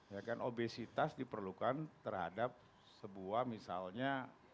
ya kan obesitas diperlukan terhadap sebuah misalnya